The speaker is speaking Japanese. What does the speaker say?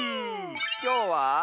きょうは。